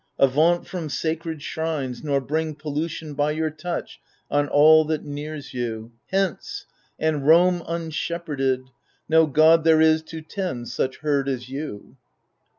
Avaunt from sacred shrines, Nor bring pollution by your touch on all That nears you. Hence 1 and roam unshepherded — No god there is to tend such herd as you.